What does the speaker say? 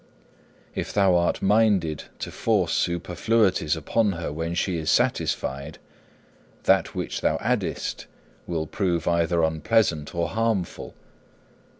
If thou art minded to force superfluities upon her when she is satisfied, that which thou addest will prove either unpleasant or harmful.